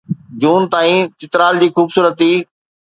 جون تائين چترال جي خوبصورتي